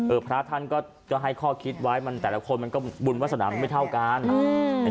พระท่านก็ให้ข้อคิดไว้มันแต่ละคนมันก็บุญวาสนามาไม่เท่ากันอืม